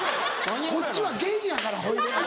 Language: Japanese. こっちは「元」やからほいで。